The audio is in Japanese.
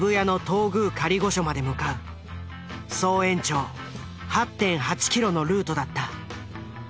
総延長８．８キロのルートだった。